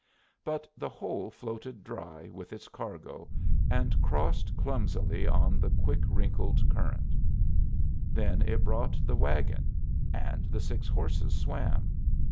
But the whole floated dry with its cargo, and crossed clumsily on the quick wrinkled current. Then it brought the wagon; and the six horses swam.